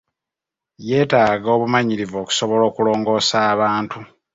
Yeetaaga obumanyirivu okusobola okulongoosa abantu.